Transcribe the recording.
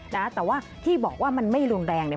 นะแต่ว่าที่บอกว่ามันไม่รุนแรงเนี่ย